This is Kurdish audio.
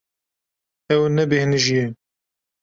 Ew nebêhnijî ye.